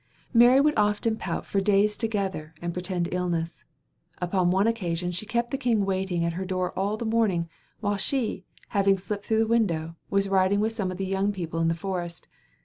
Mary would often pout for days together and pretend illness. Upon one occasion she kept the king waiting at her door all the morning, while she, having slipped through the window, was riding with some of the young people in the forest.